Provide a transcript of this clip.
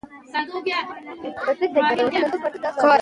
کلتور د افغان نجونو د پرمختګ لپاره ډېر ښه فرصتونه په نښه کوي.